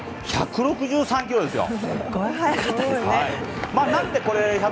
１６３キロですよ。